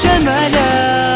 wa yuhibbul mutatahirin